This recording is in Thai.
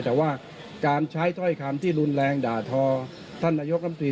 แต่ว่าการใช้ถ้อยคำที่รุนแรงด่าทอท่านนายกรรมตรี